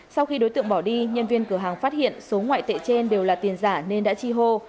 sau khi đối tượng bỏ đi nhân viên cửa hàng phát hiện số ngoại tệ trên đều là tiền giả nên đã chi hô